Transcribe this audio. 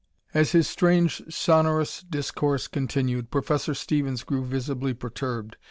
As his strange, sonorous discourse continued, Professor Stevens grew visibly perturbed.